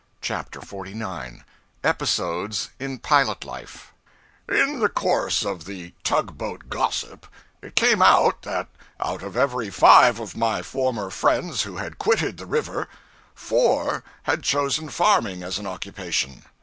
CHAPTER 49 Episodes in Pilot Life IN the course of the tug boat gossip, it came out that out of every five of my former friends who had quitted the river, four had chosen farming as an occupation.